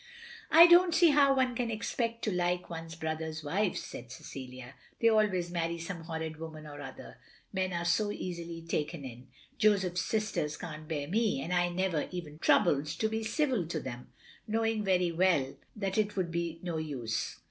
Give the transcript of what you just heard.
" "I don't see how one can expect to like one's brothers' wives," said Cecilia. "They always marry some horrid woman or other. Men are so easily taken in. Joseph's sisters can't bear me, and I never even troubled to be civil to them, knowing very well that it would be no use.